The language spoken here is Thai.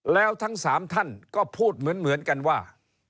แล้วทั้ง๓ท่านก็พูดเหมือนกันว่า